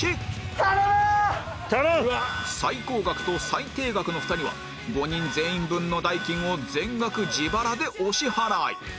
最高額と最低額の２人は５人全員分の代金を全額自腹でお支払い